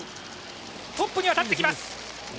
トップには立ってきます！